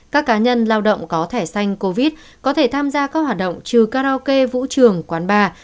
các cá nhân lao động có thẻ xanh covid có thể tham gia các hoạt động trừ karaoke vũ trường quán bar